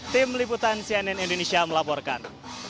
tim liputan cnn indonesia melaporkan